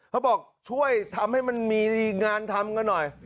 เขาบอกช่วยทำให้มันมีงานทำกันหน่อย